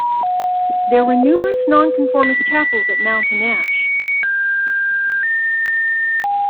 There were numerous nonconformist chapels at Mountain Ash.